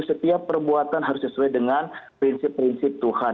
setiap perbuatan harus sesuai dengan prinsip prinsip tuhan